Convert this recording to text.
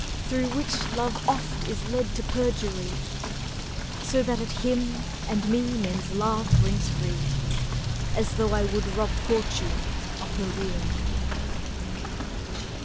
Through which Love oft is led to perjury; So that at him and me men's laugh rings free, As though I would rob Fortune of her wheel.